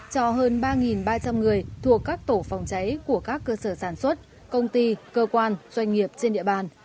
cho hơn ba ba trăm linh người thuộc các tổ phòng cháy của các cơ sở sản xuất công ty cơ quan doanh nghiệp trên địa bàn